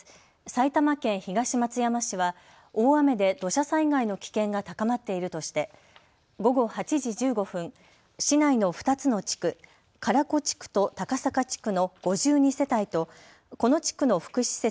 埼玉県東松山市は大雨で土砂災害の危険が高まっているとして午後８時１５分、市内の２つの地区、唐子地区と高坂地区の５２世帯とこの地区の福祉施設